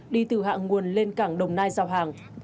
đi từ hạ nguồn lên cảng đồng nai giao hàng